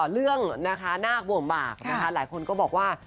เรื่องนะคะนาคบวงบากหลายคนก็บอกว่า